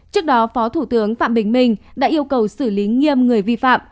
trước đó phó thủ tướng phạm bình minh đã yêu cầu xử lý nghiêm người vi phạm